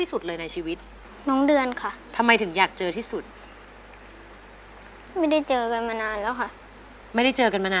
สี่ปีแล้วค่ะ